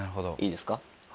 いいですか？